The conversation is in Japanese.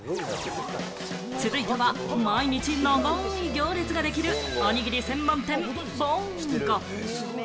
続いては毎日長い行列ができる、おにぎり専門店ぼんご。